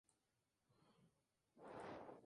Se conservan algunos restos de la torre.